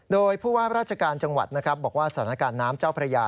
โดยผู้ว่าราชการจังหวัดนะครับบอกว่าสถานการณ์น้ำเจ้าพระยา